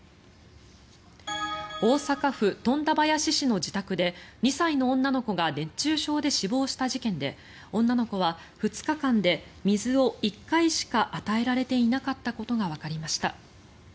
大阪府富田林市の自宅で２歳の女の子が熱中症で死亡した事件で女の子は２日間で水を１回しか与えられていなかったことがわかりました。